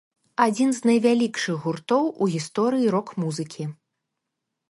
Адзін з найвялікшых гуртоў у гісторыі рок-музыкі.